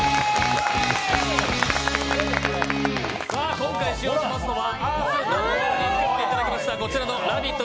今回使用しますのは、アースダンボールさんで作っていただきましたこちらの「ラヴィット！」